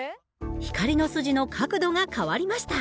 光の筋の角度が変わりました。